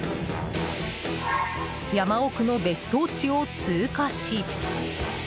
山奥の別荘地を通過し。